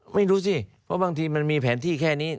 ไม่รู้สิเพราะบางทีมันมีแผนที่แค่นี้